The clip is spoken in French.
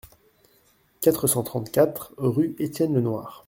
quatre cent trente-quatre rue Etienne Lenoir